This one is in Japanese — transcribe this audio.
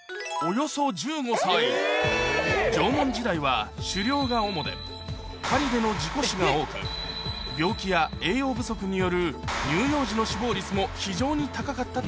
縄文時代は狩猟が主で狩りでの事故死が多く病気や栄養不足による乳幼児の死亡率も非常に高かったといわれています